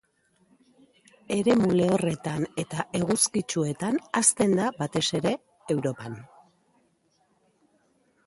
Eremu lehorretan eta eguzkitsuetan hazten da, batez ere, Europan.